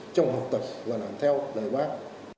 trong học tập và làm theo đời bác